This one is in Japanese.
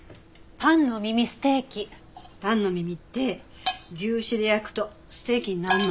パンの耳って牛脂で焼くとステーキになるの。